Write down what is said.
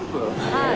はい。